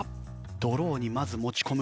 ドローにまず持ち込む。